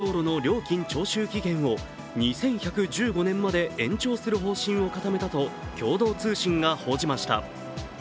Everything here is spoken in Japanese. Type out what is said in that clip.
国交省が高速道路の料金徴収期限を２１１５年まで延長する方針を固めたと共同通信が報じました。